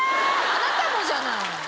あなたもじゃない！